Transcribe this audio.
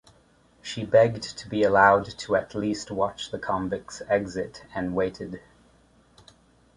She begged to be allowed to at least watch the convict’s exit, and waited.